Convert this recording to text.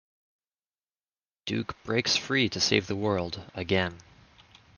Duke breaks free to save the world, again.